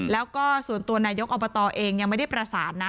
แล้วก็ส่วนตัวนายกอบตเองยังไม่ได้ประสานนะ